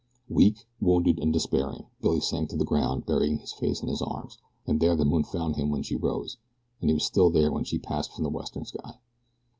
Weak, wounded, and despairing, Billy sank to the ground, burying his face in his arms, and there the moon found him when she rose, and he was still there when she passed from the western sky.